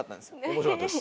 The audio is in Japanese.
面白かったです。